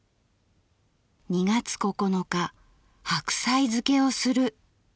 ２月９日白菜漬けをする」。